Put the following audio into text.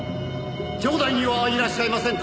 「場内にはいらっしゃいませんか？」